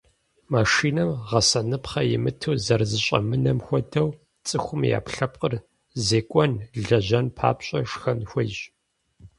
Машинэм гъэсыныпхъэ имыту зэрызэщӏэмынэм хуэдэу, цӏыхум и ӏэпкълъэпкъыр зекӏуэн, лэжьэн папщӏэ, шхэн хуейщ.